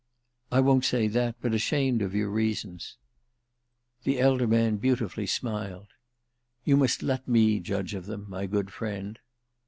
"I won't say that—but ashamed of your reasons." The elder man beautifully smiled. "You must let me judge of them, my good friend."